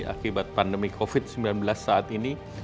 akibat pandemi covid sembilan belas saat ini